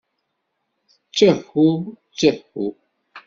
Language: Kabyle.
Ttehu, ttehu.